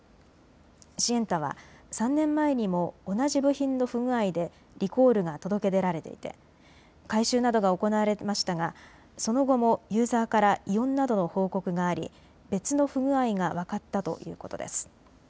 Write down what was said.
シエンタは３年前にも同じ部品の不具合でリコールが届け出られていて改修などが行われましたがその後もユーザーから異音などの報告があり別の不具合が分かったということです。